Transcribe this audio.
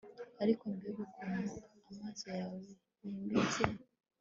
Ariko mbega ukuntu amaso yawe yimbitse